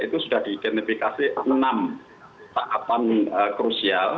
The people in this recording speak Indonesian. itu sudah diidentifikasi enam tahapan krusial